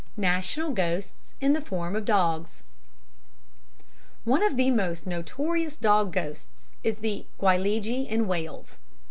National Ghosts in the form of Dogs One of the most notorious dog ghosts is the Gwyllgi in Wales.